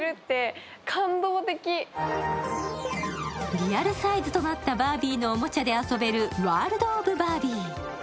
リアルサイズとなったバービーのおもちゃで遊べるワールド・オブ・バービー。